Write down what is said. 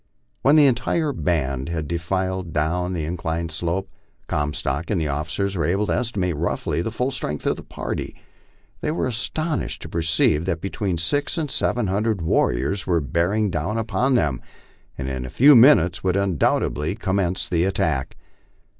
When the entire band had defiled down the inclined slope, Comstock and the officers were able to estimate roughly the full strength of the party. They were astonished to perceive that between six and seven hundred warriors were bearing down upon them, and in a few minutes would undoubtedly commence the attack.